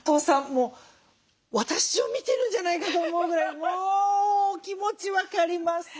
もう私を見てるんじゃないかと思うぐらいもうお気持ち分かります。